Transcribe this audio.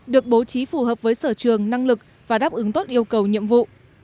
được bố trí phù hợp với sở trường năng lực và đáp ứng tốt yêu cầu nhiệm vụ